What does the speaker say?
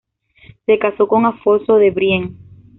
Se caso con Alfonso de Brienne.